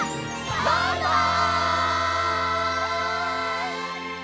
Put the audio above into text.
バイバイ！